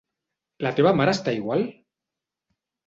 La teva mare està igual?